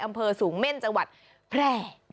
อำเภอสูงเม่นจังหวัดแพร่